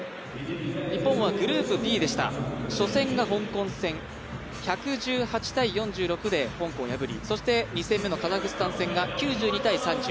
日本はグループＤでした初戦が香港戦１１８−４６で香港を破りそして、２戦目カザフスタン戦が９２−３０。